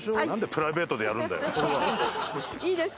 何でプライベートでやるんだよ！